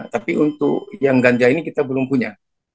tapi untuk yang ganja ini kita belum punya